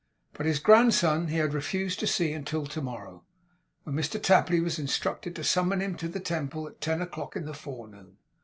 But his grandson he had refused to see until to morrow, when Mr Tapley was instructed to summon him to the Temple at ten o'clock in the forenoon.